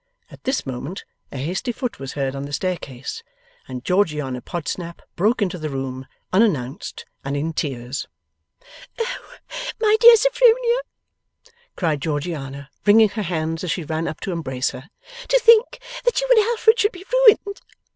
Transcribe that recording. At this moment a hasty foot was heard on the staircase, and Georgiana Podsnap broke into the room, unannounced and in tears. 'Oh, my dear Sophronia,' cried Georgiana, wringing her hands as she ran up to embrace her, 'to think that you and Alfred should be ruined!